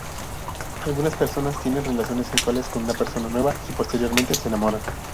Algunas personas tienen relaciones sexuales con una persona nueva y posteriormente se enamoran.